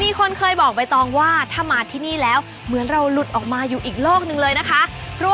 มีคนเคยบอกใบตองว่าถ้ามาที่นี่แล้วเหมือนเราหลุดออกมาอยู่อีกโลกหนึ่งเลยนะคะ